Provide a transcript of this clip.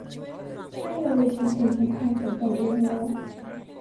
ใช่เลย ฉันเห็นหนทางของตนเองแล้ว